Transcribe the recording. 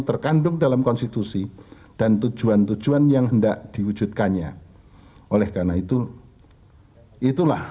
terkandung dalam konstitusi dan tujuan tujuan yang hendak diwujudkannya oleh karena itu itulah